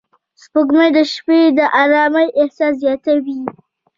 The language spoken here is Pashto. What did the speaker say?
سپوږمۍ د شپې د آرامۍ احساس زیاتوي